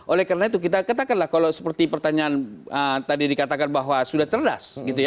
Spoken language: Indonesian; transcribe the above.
oleh karena itu kita katakanlah kalau seperti pertanyaan tadi dikatakan bahwa sudah cerdas